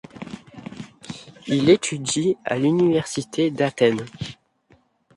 Il étudie à l'université d'Athènes.